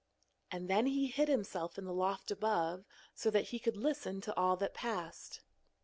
Then he hid himself in the loft above, so that he could listen to all that passed.